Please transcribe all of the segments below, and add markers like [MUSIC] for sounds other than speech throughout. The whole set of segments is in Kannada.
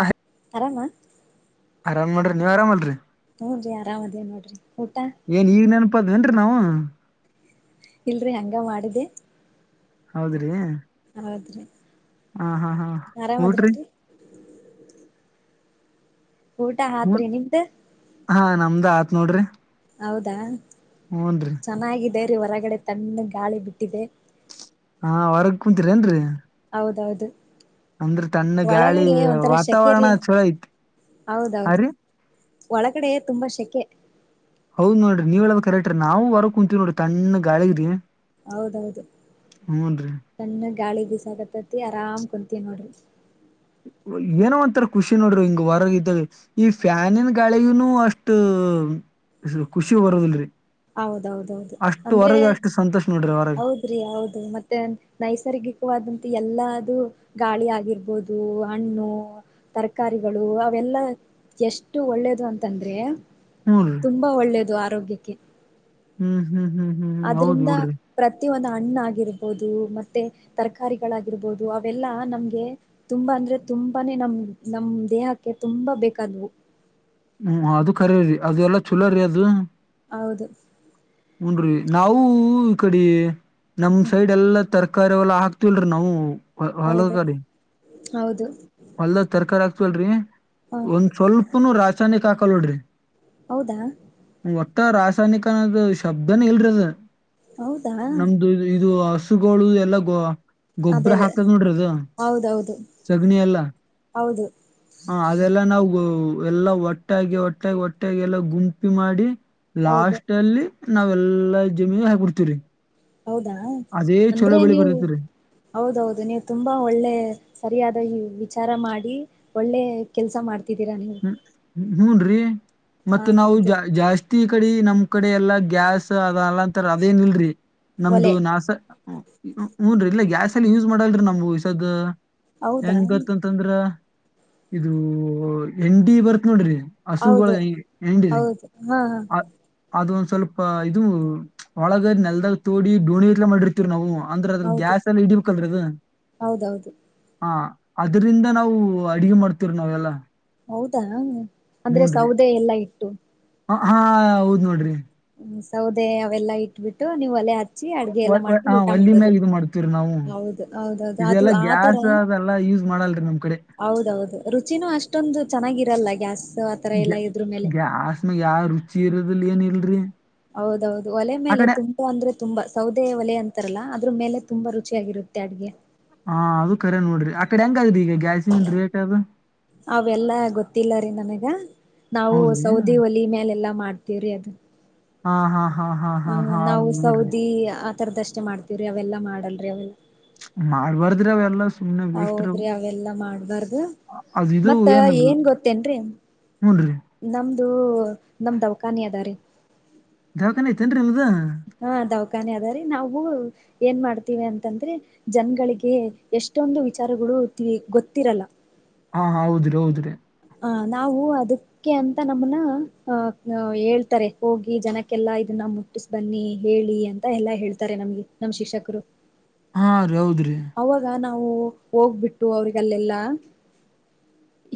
ಆಹ. ಆರಾಮ. ಆರಾಮ್ ನೋಡ್ರಿ ನೀವ್ ಆರಾಮ್ ಅಲ್ರಿ. ಹೂನ್ರಿ ಆರಾಮ್ ಅದಿವ್ ನೋಡ್ರಿ ಊಟ. ಇಪ್ಪದ್ ಏನ್ರೀ ನಾವ. ಇಲ್ರಿ ಹಂಗ ಮಾಡಿದ್ದೆ. ಹೌದ್ರಿ. ಹೌದ್ರಿ. ಹಾ ಹಾ ಹಾ ಊಟ್ರಿ. ಆರಾಮದ್ರೇನ್ರಿ ಊಟ ಹಾತ್ರಿ ನಿಮ್ದ. ದ ಆತ್ ನೋಡ್ರಿ. ಹೌದಾ. ಹೂನ್ರಿ ಚೆನ್ನಾಗಿದೆ. ದೆ ಹೊರಗಡೆ ತಣ್ಣಗ್ ಗಾಳಿ ಬಿಟ್ಟಿದೆ. ಹಾ ಹೋರಾಗ್ ಕುಂತಿರ್ ಏನ್ರೀ. ಹೌದೌದು. ಅಂದ್ರೆ ತಣ್ಣಗ್ ಗಾಳಿ ಒಳಗಡೆ ಒಂಥರ ವಾತಾವರಣ ಶೆಕೆರಿ ಚಲೋ ಐತ್ ಹಾ ಹೌದೌದು ರೀ. ಒಳಗಡೆ ತುಂಬಾ ಶೆಕೆ. ಹೌದ್ ನೋಡ್ರಿ ನೀವ್ ಹೇಳದ್ ಕರೆಕ್ಟ್ರೀ ನಾವು ಹೊರಕ್ ಕುಂತೀವ್ ನೋಡ್ರಿ ತಣ್ಣಗ್ ಗಾಳಿಗ್ರಿ. ಹೌದೌದು ಹೂನ್ರಿ ತಣ್ಣಗ್ ಗಾಳಿ ಬೀಸಾಕತ್ತತಿ ಆರಾಮ್ ಕುಂತಿವ್ ನೋಡ್ರಿ. ಏನೋ ಒಂತರ ಖುಷಿ ನೋಡ್ರಿ ಹಿಂಗ್ ಹೊರಗ್ ಇದಾಗ್ ಈ ಫ್ಯಾನಿನ್ ಗಾಳಿಗುನು ಅಷ್ಟು ಖುಷಿ ಬರುದಿಲ್ರಿ. ಹೌದೌದೌದು ಅಂದ್ರೆ ಸಂತೋಷ ನೋಡ್ರಿ ಹೊರಗ ಹೌದ್ರಿ ಹೌದು ಮತ್ತೆ ನೈಸರ್ಗಿಕ್ವಾದಂತ ಎಲ್ಲಾ ದು ಗಾಳಿ ಆಗಿರ್ಬೋದು ಹಣ್ಣು ತರ್ಕಾರಿಗಳು ಅವೆಲ್ಲ ಎಷ್ಟು ಒಳ್ಳೇದು ಅಂತಂದ್ರೆ. ಹ್ಞೂ ರೀ ತುಂಬಾ ಒಳ್ಳೇದು ಆ ಆರೋಗ್ಯಕ್ಕೆ. ಹ್ಮ್ ಹ್ಮ್ ಹ್ಮ್ ಹ್ಮ್ ಹೌದ್ ಅದ್ರಿಂದ ಬಿಡ್ರಿ ಪ್ರತಿವೊಂದ್ ಅ ಹಣ್ಣ ಆಗಿರ್ಬೋದು ಮತ್ತೆ ತರ್ಕಾರಿಗಳಾಗಿರ್ಬೋದು ಅವೆಲ್ಲಾ ನಮ್ಗೆ ತುಂಬಾ ಅಂದ್ರೆ ತುಂಬಾನೇ ನಮ್ ನಮ್ ದೇಹಕ್ಕೆ ತುಂಬಾ ಬೇಕಾದ್ವು. ಹ್ಮ್ ಅದು ಕರೆರಿ ಅದ್ ಎಲ್ಲಾ ಚಲೋ ರೀ ಅದು. ಹೌದು. ಹುನ್ರೀ ನಾವು ಈ ಕಡಿ. ನಮ್ ಸೈಡ್ ಎಲ್ಲಾ ತರ್ ಕರಿ ಹುಲ್ ಹಾಕ್ತಿಲ್ರಿ ನಾವು. ಹ ಹಾಲದ್ ಹೌದು ಗಾಡಿ ಹ್ಮ್ ಹೌದು ಅಲ್ಲ ತರ್ಕಾರಿ ಆಕ್ ಸೊಲ್ರಿ. ಹ ಒಂದ್ ಸ್ವಲ್ಪನು ರಾ ಚನಿಕ್ ಹಕಲ್ನೋಡ್ರಿ. ಹೌದಾ. ಟ ರಾಸಾಯ್ನಿಕ ಅನ್ನೋದ ಶಬ್ದನೆ ಇಲ್ರಿ ಅದು. ಹೌದಾ ನಮ್ದು ಇದು ಅಶ್ ಹಸುಗೋಳು ಎಲ್ಲ ಗೋ ಅದೇ ಗೊಬ್ಬ್ರ ಅದೇ ಹಾಕದ್ ನೋಡ್ರಿದು ಹೌದೌದು ಸಗ್ಣಿ ಎಲ್ಲ ಹೌದು. ಹ ಅದೆಲ್ಲಾ ನಾವು ಎಲ್ಲ ಒಟ್ ಒಟ್ಟಾಗಿ ಒಟ್ಟಾಗಿ ಒಟ್ಟಾಗಿ ಎಲ್ಲ ಗುಂಪಿ ಮಾಡಿ. ಹೌದು ಲಾಸ್ಟ್ ಅಲ್ಲಿ. ನಾವೆಲ್ಲಾ ಜಮಿ ಹಾಕ್ಬುಡ್ತಿವ್ ರಿ. ಹೌದಾ ಅಂದ್ರೆ ನೀವು ಬರ್ತೇತ್ರಿ ಹೌದೌದು ನೀವ್ ತುಂಬಾ ಒಳ್ಳೆ ಸರಿಯಾದ ಇವ್ ವಿಚಾರ ಮಾಡಿ ಒಳ್ಳೆ ಕೆಲ್ಸ ಮಾಡ್ ತಿದ್ದಿರ ನೀವು. ಹ್ಮ್ ಹುನ್ ರೀ. ಹ ಮತ್ತ ನಾವು ಹೌದು ಜಾ ಜಾಸ್ ಅತ್ತಿ ಕಡಿ ನಮ್ ಕಡೆ ಎಲ್ಲಾ ಗ್ಯಾಸ್ ಅದ ಅಲ್ಲಾಂತಾರ ಅದೇನ್ ಇಲ್ರಿ. ಒಲೆ ನಮ್ದು ನಾಸ. ಹ ಹೂನ್ರರಿ ಇಲ್ಲ ಗ್ಯಾಸ್ ಎಲ್ಲ ಯೂಸ್ ಮಾಡಲ್ರಿ ನಮ್ ವಿಸದ. ಹೌದಾ ಹೆಂಗ್ ಗೊತ್ತಂತಂದ್ರ. ಇದೂ. ಎನ್ ಡಿ ಬರ್ತ್ ನೋಡ್ರಿ. ಹಸುಗೊಳ್ ಹೌದು ಎನ್ ಡಿ ಹೌದು ಹಾ ಹಾ ಅದ್ ಅದ್ ಒಂದ್ ಸ್ವಲ್ಪ ಇದು ಒಳಗ ನೆಲ್ದಾಲ್ ತುಡಿ ಡೋಣಿ ಟ್ಲೆ ಮಾಡಿರ್ತಿವ್ ನಾವು. ಅಂದ್ರೆ ಅದ್ರ ಹೌದು ಗ್ಯಾಸ್ ಎಲ್ಲ ಇಡಿಬೇಕಲ್ರಿ ಅದು ಹೌದೌದು ಹಾ. ಅದ್ರಿಂದ ನಾವು ಅಡಿಗೆ ಮಾಡ್ತೀವ್ ನಾವೆಲ್ಲ. ಹೌದಾ ಅಂದ್ರೆ ಸೌದೆ ಎಲ್ಲ ಇಟ್ ಟೊ. ಹ ಹಾ ಹೌದ್ ನೋಡ್ರಿ. ಹ್ಮ್ ಸೌದೆ ಅವೆಲ್ಲಾ ಇಟ್ಬಿಟ್ಟು ನೀವ್ ಒಲೆ ಅತ್ ಅಚ್ಚಿ ಅಡ್ಗೆ ಎಲ್ಲ ಹ ಮಾಡ್ಕೊಂಡು ಊಟ ಒಲ್ಲಿ ಮಾಡದು ಮ್ಯಾಗ ಇದು ಮಾಡ್ತವ್ರಿ ನಾವು ಹೌದು ಹೌದೌದು ಅದು ಇದೆಲ್ಲಾ ಆತರ ಗ್ಯಾಸ್ ಅದೆಲ್ಲಾ ಯೂಸ್ ಮಾಡಲ್ರಿ ನಮ್ ಕಡೆ ಹೌದೌದು ರುಚಿನೂ ಅಷ್ಟೊಂದು ಚೆನ್ನಾಗಿರಲ್ಲ. ಗ್ಯಾಸ್. ಆತರ ನಿಜ ಎಲ್ಲಾ ಇದ್ರ ಮೇಲೆ ಗ್ಯಾಸ್ಮಾಗ್ ಯಾವ್ ರುಚಿ ಇರು ದಲ್ ಏನ್ ಇಲ್ರಿ. ಹೌದೌದು ಒಲೆ ಆ ಮೇಲೆ ಕಡೆ ತುಂಬ ಅಂದ್ರೆ ತುಂಬಾ ಸೌದೆಯ ಒಲೆ ಅಂತಾರಲ್ಲ ಅದ್ ಅದ್ರು ಮೇಲೆ ತುಂಬಾ ರುಚಿಯಾಗಿರುತ್ತೆ ಅಡ್ಗೆ. ಹಾ ಅದು ಕರೆ ನೋಡ್ರಿ ಆ ಕಡೆ ಹೆಂಗ್ ಅದಿ ಗೆ ಗ್ಯಾಯಸಿಂದ್ ರೇಟ್ ಅದು. ತ್ತಿಲ್ಲ ರೀ ನನಗ. ನಾವು ಹೌದ್ರಿ ಸೌದಿ ಒಲಿ ಮ್ಯಲೆಲ್ಲಾ ಮಾಡ್ತೀವ್ರಿ ಅದು. ಹಾ ಹಾ. ಹಾ ಹಾ ಹಾ ಹ ಹಾ ನಾವು ಹೌದ್ ಬಿಡ್ರಿ ಸೌದಿ ಅ ತರದಷ್ಟೇ ಮಾಡ್ತೀವ್ರೀ ಅವೆಲ್ಲ ಮಾಡಲ್ರಿ ಅವೆಲ್. ಮಾಡ್ಬಾರ್ದ್ರಿ ಅವೆಲ್ಲಾ ಸುಮ್ ಹೌದ್ರಿ ಅವೆಲ್ಲಾ ಮಾಡ್ಬಾರ್ದು ಅದು ಇದು ಮತ್ತ ಏನದು ಏನ್ ಗೊತ್ತೇನ್ರೀ ಹೂನ್ರಿ ನಮ್ ದು ನಮ್ದ್ ದವ್ಖಾನಿ ಅದ ರೀ. ದವಾಖಾನೆ ಐತೇನ್ರಿ ನಿಮ್ದ ಹಾ ದವ್ಖಾನೆ ಅದಾ ರಿ ನಾವು ಏನ್ ಮಾಡ್ತೀವಿ ಅಂತಂದ್ರೆ ಜನ್ಗಳಿಗೆ ಎಷ್ಟೊಂದು ವಿಚಾರಗಳು ತಿಳಿ ಗೊತ್ತಿರಲ್ಲ. ಹಾ ಹೌದ್ರಿ ಹೌದ್ರಿ. ಹ ನಾವು ಅದಕ್ಕೆ ಅಂತ ನಮ್ಮನ ಅಹ ಹೇಳ್ತಾರೆ ಹೋಗಿ ಜನಕ್ಕೆಲ್ಲಾ ಇದನ್ನ ಮುಟ್ಟಿಸ್ ಬನ್ನಿ ಹೇಳಿ ಅಂತ ಎಲ್ಲಾ ಹೇಳ್ತಾರೆ ನಮ್ಗೆ ನಮ್ ಶಿಕ್ಷಕರು. ಹ ರಿ ಹೌದ್ ರಿ ಅವಾಗ ನಾವ್ ನಾವು ಹೋಗ್ಬಿಟ್ಟು ಅವ್ರಗಲ್ಲೆಲ್ಲಾ.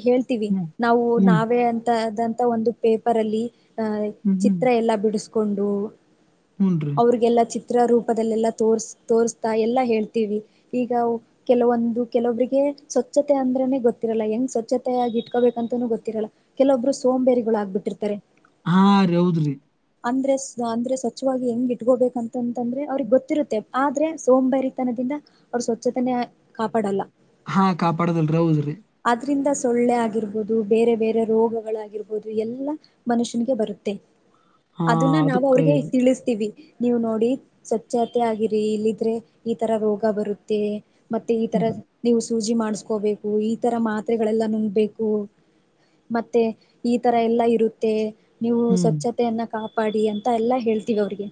ಹೇಳ್ತೀವಿ ಹ್ಮ್ ನಾವು ಹ್ಮ್ ನಾವೇ ಅಂತ. ಆದಂತ ಒಂದು ಪೇಪರ್ ಅಲ್ಲಿ. ಹ ಹ್ಮ್ ಹ್ಮ್ ಚಿತ್ರ ಎಲ್ಲಾ ಬಿಡ್ಸ್ ಕೊಂಡು. ಹೂನ್ರಿ ಅವ್ರಗೆಲ್ಲ ಚಿಕ್ ತ್ರ ರೂಪದಲ್ ಎಲ್ಲ ತೋರ್ಸ್ ತೋರಿಸುತ್ತಾ ಎಲ್ಲಾ ಹೇಳ್ತಿವಿ. ಈಗ ಕೆಲವೊಂದು ಕೆಲವೊಬ್ಬರಿಗೆ ಸ್ವಚ್ಛತೆ ಅಂದ್ರನೆ ಗೊತ್ತಿರಲ್ಲ ಹಂಗ್ ಸ್ವಚ್ಛತೆ ಆಗ್ ಇಟ್ಕೋಬೇಕಂತನೂ ಗೊತ್ತಿರಲ್ಲ ಕೆಲೊಬ್ರು ಸೋಂಬೇರಿಗಳು ಆಗ್ಬಿಟ್ಟಿರ್ತಾರೆ. ಹಾ ರೀ ಹೌದ್ರಿ. ಅಂದ್ರೆ ಸ್ ಅಂದ್ರೆ ಸ್ವಚ್ಛವಾಗಿ ಹೆಂಗ್ ಇಟ್ಕೋಬೇಕ ಅಂತಂತಂದ್ರೆ ಅವ್ರಿಗೆ ಗೊತ್ತಿರುತ್ತೆ ಆದ್ರೆ ಸೋಂಬರಿ ತನದಿಂದ. ಅವ್ರ್ ಸ್ವಚ್ಛತನೆ ಕಾಪಾಡಲ್ಲ. ಹಾ ಕಾಪಾಡದಲ್ರಿ ಹೌದ್ ರಿ. ಅದ್ರಿಂದ ಸೊಳ್ಳೆ ಆಗಿರ್ಬೊದು ಬೇರೆ ಬೇರೆ ರೋಗಗಳಾಗಿರ್ಬೊದು ಎಲ್ಲ ಮನುಷ್ಯನಿಗೆ ಬರುತ್ತೆ. ಹಾ ಅದುನ್ನ ಅದು ನಾವು ಅವ್ರಿಗೆ ಕರೆರಿ ತಿಳುಸ್ತಿವಿ. ನೀವ್ ನೋಡಿ ಸ್ವಚ್ಛತೆ ಆಗಿರಿ ಇಲಿದ್ರೆ ಈ ತರ ರೋಗ ಬರುತ್ ತ್ತೆ. ಮತ್ತೆ ಈ ತರ ಹ್ಮ್ ನೀವು ಸ್ ಸೂಜಿ ಮಾಡುಸ್ಕೋಬೇಕು ಈ ತರ ಮಾತ್ರೆಗಳೆಲ್ಲ ನುಂಗ್ಬೇಕು ಮತ್ತೆ ಈ ತರ ಎಲ್ಲ ಇರುತ್ತೆ. ನೀವು ಹ್ಮ್ ಸ್ವಚ್ಛತೆಯನ್ನ ಕಾಪಾಡಿ ಅಂತ ಎಲ್ಲಾ ಹೇಳ್ತೀವಿ ಅವ್ರಿಗೆ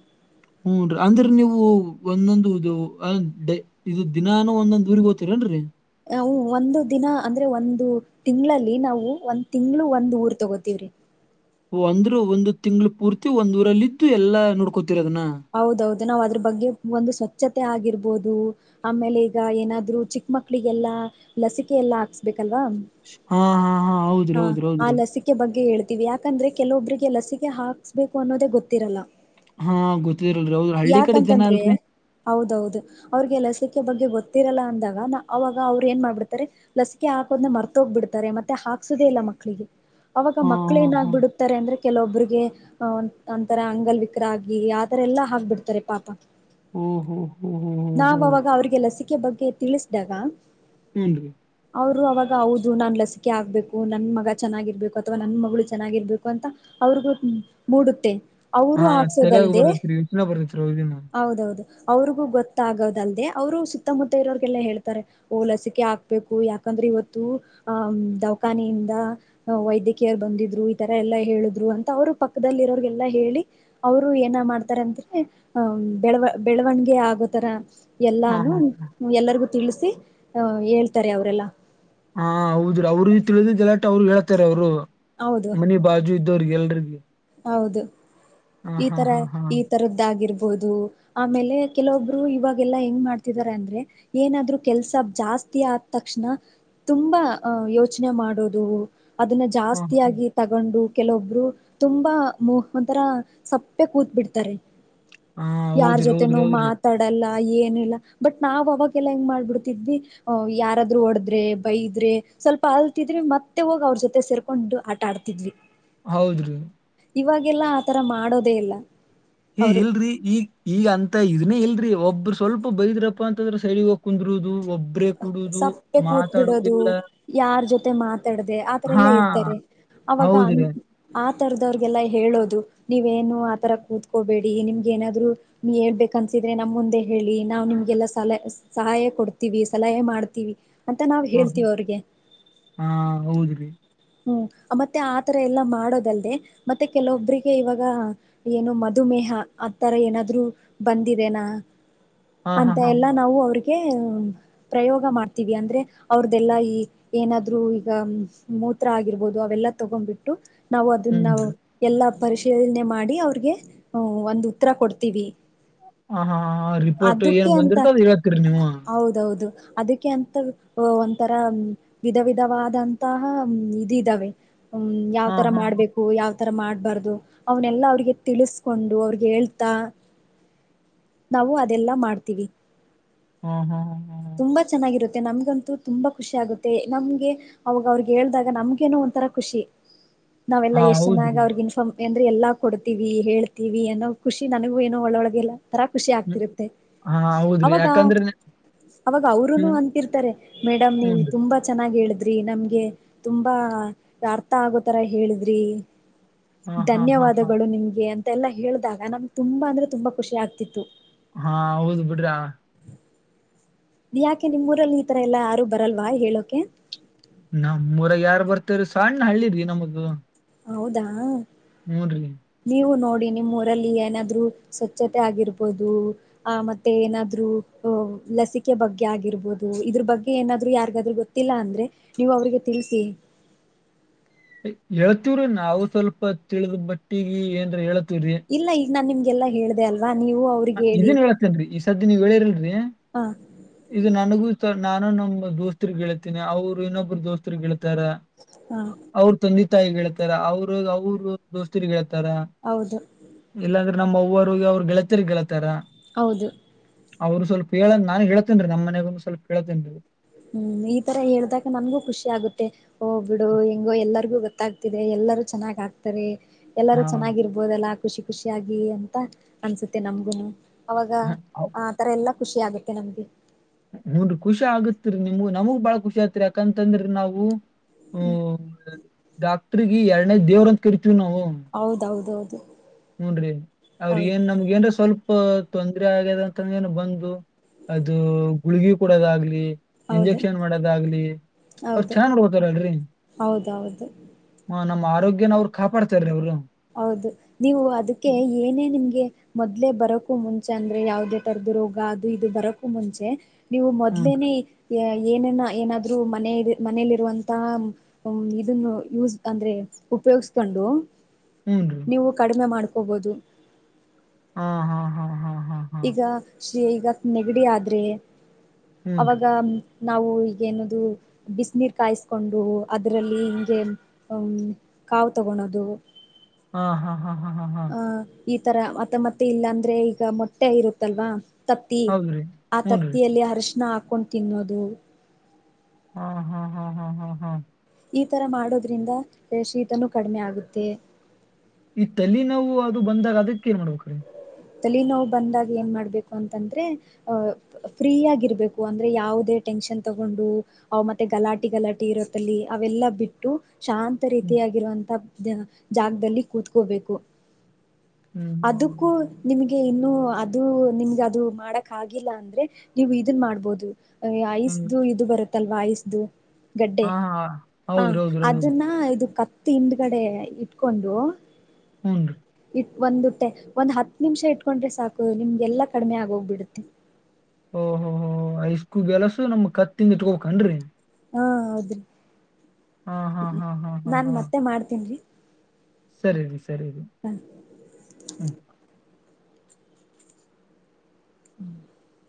ಹೂ ರಿ ಅಂದರೆ ನೀವು ದಿನಾನು ಒಂದೊಂದ್ ಊರಿಗೆ ಹೋಗುತ್ತೀರಾ ರಿ ನಾವು ಒಂದು ದಿನ ಅಂದ್ರೆ ಒಂದು ತಿಂಗಳಲ್ಲಿ ನಾವು ಒಂದ್ ತಿಂಗಳು ಒಂದು ಊರ್ ತಗೋತೀವಿ ಹೂ ಅಂದ್ರು ಒಂದು ತಿಂಗಳು ಪೂರ್ತಿ ಒಂದ್ಊರಲ್ಲಿ ಇದ್ದು ಎಲ್ಲಾ ನೋಡ್ಕೋತೀರಿ ತಿರದನ ನಾವು ಅದ್ರ ಬಗ್ಗೆ ಒಂದು ಸ್ವಚ್ಛತೆ ಆಗಿರಬಹದು ಆಮೇಲೆ ಈಗ ಏನಾದರೂ ಚಿಕ್ಕ ಮಕ್ಳಿಗೆಲ್ಲ ಲಸಿಕೆ ಎಲ್ಲ ಹಾಕಿಸಬೇಕು ಹಾ ಹಾ ಹಾ ಹೌದ್ರಿ ಹೌದ್ರಿ ಹೌದ್ರಿ ಇದ ಯಾಕಂದ್ರೆ ಕೆಲವೊಬ್ಬರಿಗೆ ಲಸಿಕೆ ಹಾಕ್ಸ್ಬೇಕು ಅನ್ನೋದೇ ಗೊತ್ತಿರಲ್ಲ ಹಾ ಗೊತ್ತಿರಲ್ರಿ ಹೌದ್ರ ಹಳ್ಳಿ ಕಡೆ ಜನ ಯಾಕಂತಂದ್ರೆ ಅಲ್ರರಿ ಹೌದೌದು ಅವ್ರಿಗೆ ಲಸಿಕೆ ಬಗ್ಗೆ ಗೊತ್ತಿರಲ್ಲ ಅಂದಾಗ ನ ಅವಾಗ ಅವ್ರು ಏನ್ ಮಾಡ್ಬಿಡ್ತಾರೆ ಲಸಿಕೆ ಹಾಕೋದ್ನ್ನ ಮರ್ತೋಗ್ಬಿಡ್ತಾರೆ ಮತ್ತೆ ಹಾಕ್ಸುದೇ ಇಲ್ಲ ಮಕ್ಕಳಿಗೆ ಅವಾಗ ಹಾ ಮಕ್ಳ ಹಾ ಹಾ ಏನಾಗ್ಬಿಡುತ್ತೆ ರೆ ಅಂದ್ರೆ ಕೆಲವೊಬ್ಬ್ರರಿಗೆ ಒಂತರ ಅಂಗಲ್ ವಿಕ್ರ ಆ ಹ ಆತರ ಎಲ್ಲಾ ಹಾಕ್ಬಿಡ್ತಾರೆ ಪಾಪ ಹ್ಮ್ ಹ್ಮ್ ಹ್ಮ್ ಹ್ಮ್ ಹ್ಮ್ ನಾವವಾಗ ಅವ್ರಿಗೆ ಲಸಿಕೆ ಬಗ್ಗೆ ತಿಳಿಸಿದಾಗ ಹೂ ಅವರು ಅವಾಗ ಹೌದು ನಾನ್ ಲಸಿಕೆ ಆಗ್ಬೇಕು ನನ್ ಮಗ ಚೆನ್ನಾಗಿರ್ಬೇಕು ಅಥವಾ ನನ್ ಮಗಳು ಚೆನ್ನಾಗಿರ್ಬೇಕು ಅಂತ ಅವ್ರಿಗೂ ಮೂಡುತ್ತೆ ಅವರು ಹಾ ಆ ತಲ್ಯಾಗ ದಲ್ದೆ ಬರ್ತೈತ್ರಿ ಯೋಚ್ನೆ ಬರ್ತೈತ್ರಿ ಅವ್ರಿಗೂನು. ಹೌದೌದು ಅವ್ರಿಗೂ ಗೊತ್ತ ಆಗದಲ್ದೆ ಅವ್ರು ಸುತ್ತಮುತ್ತ ಇರೋಗೆಲ್ಲಾ ಹೇಳ್ತಾರೆ ಓ ಲಸಿಕೆ ಹಾಕ್ಬೇಕು ಯಾಕಂದ್ರೆ ಇವತ್ತು ಅವರು ಸುತ್ತಮುತ್ತ ಇರುವಾರಿಗೆಲ್ಲ ಹೇಳ್ತಾರೆ ಓ ಲಸಿಕೆ ಹಾಕ್ಬೇಕು ಯಾಕಂದ್ರೆ ಇವತ್ತು ಅಹ್ ದವಾಖಾನೆಯಿಂದ ವೈದ್ಯಕೀಯರ್ ಬಂದಿದ್ರು ಈತರ ಎಲ್ಲಾ ಹೇಳಿದ್ರು ಅಂತ ಅವ್ರು ಪಕ್ಕದಲ್ಲಿ ಇರೋಗೆಲ್ಲಾ ಹೇಳಿ ಅವರು ಏನ ಮಾಡ್ತಾರಂದ್ರೆ ಅಹ ಬೆಳವ ಬೆಳವಣ್ಗೆ ಆಗೋತರ ಹಾ ಎಲ್ಲಾನು ಹಾ ಎಲ್ಲಾರ್ಗೂ ತಿಳಿಸಿ ಹ ಹೇಳ್ತಾರೆ ಅವರೆಲ್ಲಾ ಹಾ ಹೌದ್ರ ಅವ್ರರು ತಿಳಿದ ಲಾಟ ಅವ್ರು ಹೇಳ್ತಾರೆ ಅವ್ರು ಹೌದು ಮನಿ ಬಾಜು ಇದ್ದವ್ರಿಗೆ ಎಲ್ರಿಗ [UNINTELLIGIBLE] ಹೌದು ಈ ತರ ಹಾ ಹಾ ಈ ತರದ್ದಾಗಿರ್ಬದು ಬಹದು ಆಮೇಲೆ ಕೆಲವೊಬ್ರು ಇವಾಗೆಲ್ಲಾ ಹೆಂಗ್ ಮಾಡ್ತಿದಿದ್ದಾರೆ ಅಂದ್ರೆ ಏನಾದ್ರರು ಕೆಲ್ಸ ಜಾಸ್ತಿ ಆದ ತಕ್ಷಣ ತುಂಬಾ ಅಹ ಯೋಚನೆ ಮಾಡೋದು ಅದನ್ನ ಹಾ ಜಾಸ್ತಿಯಾಗಿ ತಗೊಂಡು ಕೆಲವೊಬ್ರು ತುಂಬಾ ಒಂಥರ ಸಪ್ಪೆ ಕೂತ್ ಬಿಡ್ತಾರೆ ಹಾ ಯಾರ್ ಹೌದ್ರಿ ಜೊತೆನುೂ ಹೌದ್ರಿ ಹೌದ್ರಿ. ಮಾತಾಡಲ್ಲ ಏನಿಲ್ಲ ಬಟ್ ನಾವ್ ಅವಾಗೆಲ್ಲಾ ಹೆಂಗ ಆ ಏನಿಲ್ಲ ಬಟ್ ನಾವ್ ಅವಗೆಲ್ಲ ಏನ್ ಮಾಡ್ಬಿಡ್ತಿದ್ವಿ ಯಾರಾದ್ರು ಒಡದ್ರೆ ಬೈದ್ರೆ ಸ್ವಲ್ಪ ಅಲ್ತಿದ್ರೆ ಮತ್ತೆ ಹೋಗ ಅವ್ರ ಜೊತೆ ಸೇರ್ಕೊಂಡು ಆಟ ಆಡ್ತಿದ್ವಿ ಹೌದ್ರಿ ಇವಾಗೆಲ್ಲಾ ಆತರ ಮಾಡೋದೇ ಇಲ್ಲ ಅವ್ರು. ಇಲ್ರಿ ಈಗ್ ಈ ಅಂತ ಇ ಇದುನ್ನೆ ಇಲ್ರಿ ಒಬ್ರು ಸ್ವಲ್ಪ ಬೈದ್ರಪ್ಪ ಅಂತಂದ್ರೆ ಸೈಡ್ಗ ಹೋಗ್ ಕುಂದ್ರುದು ಒಬ್ ಸಪ್ಪೆ ಕೂತ್ ಬಿಡೋದು ಯಾರ್ ಜೊತೆ ಮಾತಾಡ್ದೆ ಆತರ ಹಾ ಎಲ್ಲ ಇರ್ತಾರೆ ಅವಾಗ ಅಂ ಹೌದ್ರಿ ಅ ಆತರದವ್ರಗೆಲ್ಲ ಹೇಳೋದು ನೀವೇನು ಆತರ ಕೂತ್ಕೋಬೇಡಿ ನಿಮ್ಗೆ ಏನಾದ್ರು ಹೇಳ್ಬೇಕನ್ಸಿದ್ರೆ ನಮ್ ಮುಂದೆ ಹೇಳಿ ನಾವ್ ನಿಮ್ಗೆಲ್ಲ ಸಲ ಸಹಾಯ ಕೊಡ್ತೀವಿ. ಸಲಹೆ ಮಾಡ್ತೀವಿ. ಅಂತ ನಾವ್ ಹ ಹೇಳ್ತೀವಿ ಅವ್ರಿಗೆ ಹಾ ಹೌದ್ರಿ. ಹು ಮತ್ತೆ ಆತರ ಎಲ್ಲಾ ಮಾಡೋದಲ್ದೆ ಮತ್ತೆ ಕೆಲವೊಬ್ರಿಗೆ ಇವಾಗ ಏನು ಮಧುಮೇಹ ಆ ತರ ಏನಾದ್ರು ಬಂದಿದೆನಾ. ಹಾ ಹಾ ಅಂತ ಹಾ ಎಲ್ಲಾ ನಾವು ಅವ್ರ್ಗ್ ಗೆ ಪ್ರಯೋಗ ಮಾಡ್ತೀವಿ ಅಂದ್ರೆ ಅವ್ರ್ದೆಲ್ಲಾ ಈ ಏನಾದ್ರು ಈಗ ಹ್ಮ್ ಮೊ ತ್ರ ಆಗಿರ್ಬೋದು ಅವೆಲ್ಲ ತಗೊಂಬಿಟ್ಟು. ನಾವು ಅದುನ್ನ ನಾವ್ ಹ್ಞೂನ್ರಿ ಎಲ್ಲ. ಪರಿಶೀಲನೆ ಮಾಡಿ ಅವ್ರಗೆ ಒಂದ್ ಉತ್ತರ ಕೊಡ್ತೀವಿ. ಹ ಹಾ ಹ ರಿಪೋರ್ಟ್ ಅದಕ್ಕೆ ಏನ್ ಅಂತ ಬಂದಿರ್ತೋ ಅದ್ ಹೇಳ್ತಿರ್ ನೀವು. ಅದಿಕ್ಕೆ ಅಂತ ಒಂಥರ ವಿಧ ವಿಧವಾದಂತಹ. ಹ್ಮ್ ಇದ್ ಇದಾವೆ. ಹ್ಮ ಯಾವ್ ಹಾ ತರ ಹಾ ಹಾ ಮಾಡ್ಬೇಕು ಯಾವ್ ತರ ಮಾಡ್ಬಾರ್ದು ಅವ್ನೆಲ್ಲಾ ಅವ್ರಿಗೆ ತಿಳಿಸ್ಕೊಂಡು ಅವ್ರಿಗ್ ಹೇಳ್ತಾ ನಾವು ಅದೆಲ್ಲಾ ಮಾಡ್ತೀವಿ. ಹ್ಮ್ ಹ್ಮ್ ಹ್ಮ್. ತೆ ನಮ್ಗಂತೂ ತುಂಬಾ ಖುಷಿ ಆಗುತ್ತೆ ನಮ್ಗೆ ಅವಾಗ್ ಅವ್ರ್ಗ ಹೇಳಿದಾಗ ನಮ್ಗೇನೊ ಒಂಥರ ಖುಷಿ. ನಾವೆಲ್ಲ ಹಾ ಎಷ್ಟ್ ಚನ್ನಾಗ್ ಹೌದ್ರಿ ಅವ್ರಗ್ ಇನ್ಫಾರ್ಮ್ ಏನ್ರೀ ಎಲ್ಲಾ ಕೊಡ್ತೀವಿ ಹೇಳ್ತೀವಿ ಅನ್ನೋ ಖುಷಿ ನನ್ಗೂ ಏನೋ ಒಳೊಳ್ಗೆಲ್ಲ. ತರಾ ಖುಷಿ ಹ್ಮ್ ಆಗ್ತಿರುತ್ತೆ ಹಾ ಹೌದ್ರಿ ಅವಾಗ ಯಾಕಂದ್ರೆ ನೆ- ಅವಾಗ ಅವ್ರುನು ಹ್ಮ್ ಅಂತಿರ್ತಾರೆ ಮೇಡಮ್ ನೀವು ಹ್ಞೂನ್ರಿ ತುಂಬಾ ಚೆನ್ನಾಗಿ ಹೇಳ್ದ್ ದ್ರಿ ನಮ್ಗೆ. ತುಂಬಾ ಅರ್ಥ ಆಗೋತಾರ ಹೇಳುದ್ರಿ. ಹಾ ಹಾ ಹಾ ಹಾ ಧನ್ಯವಾದಗಳು ನಿಮ್ಗೆ ಅ ತೆಲ್ಲ ಹೇಳ್ದಾಗ ನಮ್ಗ ತುಂಬಾ ಅಂದ್ರೆ ತುಂಬಾ ಖುಷಿ ಆಗ್ತಿತ್ತು. ಹಾ ಹೌದ್ ಬಿಡ್ರಾ ಅ. ನೀ ಯಾಕೆ ನಿಮ್ ಊರಲ್ಲಿ ಈ ತರ ಎಲ್ಲಾ ಯಾರು ಬರಲ್ವಾ ಹೇಳೋಕೆ. ನಮ್ಮೂರಗ್ ಯಾರ್ ಬರ್ತಾರ್ರಿ ಸಣ್ ಹಳ್ಳಿರಿ ನಮ್ದು. ಹೌದಾ. ಹು ರಿ. ನೀವು ನೋಡಿ ನಿಮ್ಮ್ ಊರಲ್ಲಿ ಏನಾದ್ರು ಸ್ವಚ್ಛತೆ ಆಗಿರ್ಬೋದು ಆ ಮತ್ತೆ ಏನಾದ್ರು ಅಹ ಲಸಿಕೆ ಬಗ್ಗೆ ಆಗಿರ್ಬೋದು ಇದ್ರ ಬಗ್ಗೆ ಏನಾದ್ರು ಯಾರಿಗಾದ್ರು ಗೊತ್ತಿಲ್ಲ ಅಂದ್ರೆ ನೀವ್ ಅವ್ರಿಗೆ ತಿಳ್ಸಿ. ಹೇಳ್ತೀವ್ರೀ ನಾವು ಸ್ವಲ್ಪ ತಿಳಿದ್ ಮಟ್ಟಿಗಿ ಏನ್ ಹೇಳ್ತಿವ್ ರೀ. ಇಲ್ಲ ಈಗ ನಾನ್ ನಿಮ್ಗೆಲ್ಲೆ ಹೇಳ್ದೆ ಅಲ್ ಹ ಇದೇನ್ ಹೇಳತೇನ್ ರೀ ಇಶ್ ಸದ್ಯ ನೀವು ಹೇಳಿಲ್ರರಿ ಹ ಇದು ನನಗೂ ನಾನು ನಮ್ ದೋಸ್ತ್ರಿಗೆ ಹೇಳ್ತಾರಾ ಅವರು ಇನ್ನೊಬ್ಬರು ದೋಸ್ತ್ರು ಹೇಳ್ತಾರಾ ಹ ಅವರು ತಂದಿ ತಾಯಿಗೆ ಹೇಳ್ತಾರ ಅವ್ರ ಅವ್ರರು ದೋಸ್ತರಿಗೆೇಳ್ತಾರೆ ತಾರಾ ಹೌದು ಇಲ್ಲ ನಮ್ಮವರು ಹೋಗಿ ಅವರ ಗೆಳತಿ ಹೇಳ್ತಾರ ಹೌದು ಅವ್ರು ಸ್ವಲ್ಪ ಹೇಳಂದ್ ನಾನ್ ಹೇಳತೀನ ರಿ ನಮ್ಮ್ನೆಗ ಸ್ವಲ್ಪ ಕೇಳ್ತೇನ ಹ್ಮ್ ಈ ತರ ಹೇಳ್ದಾಗ ನನ್ಗೂ ಖುಷಿ ಆಗುತ್ತೆ ಹೋಗ್ಬ ಬಿಡು ಹೆಂಗೋ ಎಲ್ಲರಿಗು ಗೊತ್ತ ಗತ್ತಾಗ್ತಿದೆ ಎಲ್ಲರೂ ಚೆನ್ನಾಗ್ ಆಕ್ತಾರೆ ಹಾ ಎಲ್ಲಾರೂ ಚೆನ್ನಾಗಿರ್ಬೋದೆಲ್ಲಾ ಖುಷಿ ಖುಷಿಿಯಾಗಿಿ ಅಂತ ಅನ್ಸುತ್ತೆ ನಮಗು ಅವಾಗ ಹ- ಆ ತರ ಎಲ್ಲ ಖುಷಿ ಆಗುತ್ತೆ ನಮ್ಗೆ ನೋಡ್ರಿ ಖುಷಿ ಆಗತ್ರಿ ನಿಮಗು ನಮಗಗ್ ಬಾಳ ಖುಷಿ ಆತ್ರಿ ಯಾಕಂತಂದ್ರ ನಾವು ಹ್ಮ್. ಹ್ಮಡಾ ಟ್ರಿಗ ಎರಡನೇ ದೇವ್ರ ಅಂತ ಕ ಹೌದೌದುೌದು ಹ ಹೂನ್್ರೀ ಅವ್ರ ಏನ್ ನಮ್ಗ ಏನ್್ರ ಸ್ವಲ್ಪ ತೊಂದ್ರ ಆಗ್ಯದ ಅಂತಂದ ಏನು ಬಂದು ಅದು ಗುಳಗಿ ಕೂಡದ ಆಾಗಲಿ ಹೌದು ಇಂಜೆಕ್ಷನ್ ಮಾಡದ ಆಗ್ಲಿ ಅವ್ರ ಹೌದು ಚೆನ್ನ್ ನಡ್ಕೋತಾರಲ್ರರಿ ಹೌದೌದು ಹ ನಮ್ಮ ಆರೋಗ್ಯನ ಅವ್ರರು ಕಾಪಾಡ್ತಾರೀ ಅವ್ರು ಹೌದು ನೀವು ಅದಕ್ಕೆ ಏನೇ ನಿಮಗೆ ಮೊದ್ಲೇ ಬರಕೂ ಮುಂಚೆ ಅಂದ್ರೆ ಯಾವುದೇ ತಥರದ್ದು ರೋಗ ಅದು ಇದು ಬರೋಕ್ಕೂ ಮುಂಚೆ ನೀವು ಹೂನ್ರಿ ಮೊದ್ಲೇನೆೇ ಏನನ್ನ ಏನಾದ್ರೂ ಮನ ಮನೇಲಿರುವಂತ ಇದನ್ನು ಯೂಸ್ ಅಂದ್ರೆ ಉಪಯೋಗಸ್ಕೊಂಡು ಹೂನ್ರಿ ನೀವು ಕಡಿಮೆ ಮಾಡ್ಕೊ ಕೋಬೋದು ಹಾ ಹಾ ಹಾ ಹಾ ಹಾ ಹಾ ಈಗ ಶ್ರೀ ಈಗ ನೆಗಡಿ ಆದ್ರೆ ಹೂನ್ರಿ ಅವಾಗ ನಾವು ಈಗೇನದು ಬಿಸಿನೀರು ಕಾಯಿಸ್ಕೊಂಡು ಅದರಲ್ಲಿ ಹೀಗೆ ಕಾವು ತೊಗಳೋದು ಹಾ ಹಾ ಹಾ ಹಾ ಹಾ ಹಾ ಈ ತರ ಮತ್ತೆ ಮತ್ತೆ ಇಲ್ಲ ಅಂದ್ರೆ ಈಗ ಮೊಟ್ಟೆ ಇರುತ್ತಲ್ವಾ ತತ್ತಿ ಹೌದ್ರಿ ಆ ಹೂನ್ರಿ ತತ್ತಿಯಲ್ಲಿ ಅರ್ಶಣ ಕೊಂಡು ತಿನ್ನೋದು ಹಾ ಹಾ ಹಾ ಹಾ ಹಾ ಹಾ ಹಾ ಈಥರ ಮಾಡೋದ್ರಿಂದ ಶೀತನೂ ಕಡಿಮೆ ಆಗುತ್ತೆ ಈ ತಲೆ ನಾವು ಅದು ಬಂದಾಗ ಅದಕ್ ಏನ್ ಮಾಡ್ಬೇಕ ಕಡೆ ತಲ ನೋವು್ ಬಂದಾಗ ಏನ್ ಮಾಡ್ಬೇಕು ಅಂತಂದ್ರೆ ಅಹ ಫ್ರೀ ಆಗರ್ಬೇಕು ಅಂದ್ರೆ ಯಾವವುದೇ ಟೆನ್ಷನ್ ತಗೊಂಡು ಅವ ಮತ್ತೆ ಗಲಾಟಿ ಗಲಾಟಿ ಇರೋ ತಲಿ ಅವೆಲ್ಲಾ ಬಿಟ್ಟು ಶಾಂತ ಹ್ಮ್ ರೀತಿಯಾಗಿರುವಂತ ಜಾಗದಲ್ಲಿ ಕೂತ್ಕೋಬೇಕು ಹ್ಮ್ ಹ್ಮ್ ಹ್ಮ್ ಅದಕ್ಕೂ ಹ್ಮ್ ನಿಮಗೆ ಇನ್ನುೂ ಅದು ನಿಮ್ಗೆ ಅದು ಮಾಡಕ್ ಆಗಿಲ್ಲ ಅಂದ್ರೆ ನೀವು ಇದನ್ ಮಾಡ್ಬೋದು ಹಂಗ್ ಐಸ್ದು ಇದು ಬರುತ್ ತಲ್ವಾರಿಸ ದ [UNINTELLIGIBLE] ಗಡ್ಡೆ ಹಾ ಹಾ ಹ ಹೌದ್ರಿ ಹೌದ್ರಿ ಹೌದ್ರಿ ಅದನ್ನ ಇದು ಕ ತಿಂದ್ಗಡೆ ಇಟ್ಕೊಂಡು ಹ್ಮ್ [UNINTELLIGIBLE] ಒಂದ್ಟ್ಟೆ ಒಂದ್ ಹತ್ ನಿಮಿಷ ಇಟ್ಕೊಂಡ್ರೆ ಸಾಕು ನಿಮ್ಗೆಲ್ಲಾ ಕಡಿಮೆ ಆಗೋಗ್ಬಿಡುತ್ತೆ ಓಹೋ ಹೋ ಐಸ್ಕ್ಯೂಬ್ ಎಲ್ಲಸು ನಮ್ ಕತ್ತಿಂದ ಇಟ್ಕೋನ್ ಕೆಡ್ರಿ [UNINTELLIGIBLE] ಹಾ ಹೌದ್ರಿ ಹಾ ಹಾ ಹ್ಮ ಹಾ ಹಾ ನಾನ್ ಮತ್ತೆ ಮಾಡ್ತೇನ್ರಿ ಸರಿರಿ ಸ್ ಸರಿದು ಹ್ಮ್ [UNINTELLIGIBLE] [UNINTELLIGIBLE]